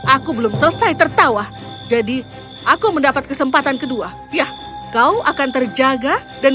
aku belum selesai tertawa jadi aku mendapat kesempatan kedua ya kau akan terjaga dan